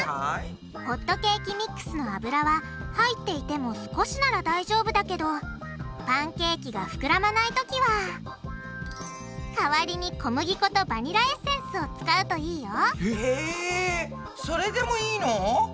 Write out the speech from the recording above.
ホットケーキミックスの油は入っていても少しなら大丈夫だけどパンケーキがふくらまないときは代わりに小麦粉とバニラエッセンスを使うといいよへぇそれでもいいの？